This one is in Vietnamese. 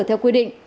theo quy định